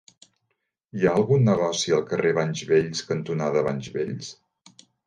Hi ha algun negoci al carrer Banys Vells cantonada Banys Vells?